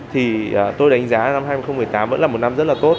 thì tôi đánh giá năm hai nghìn một mươi tám vẫn là một năm rất là tốt